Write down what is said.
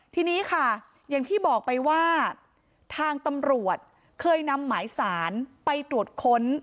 ทีนี้ค่ะอย่างที่บอกไปว่าทางตำรวจเคยนำหมายสารไปตรวจค้น